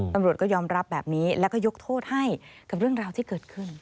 ตำรวจก็ยอมรับแบบนี้แล้วก็ยกโทษให้กับเรื่องราวที่เกิดขึ้น